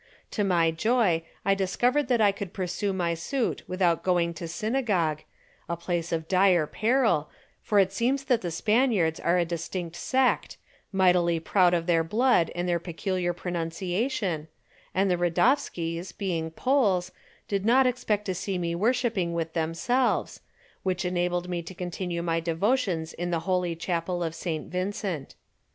To my joy I discovered that I could pursue my suit without going to synagogue, a place of dire peril, for it seems that the Spaniards are a distinct sect, mightily proud of their blood and their peculiar pronunciation, and the Radowskis, being Poles, did not expect to see me worshipping with themselves, which enabled me to continue my devotions in the Holy Chapel of St. Vincent.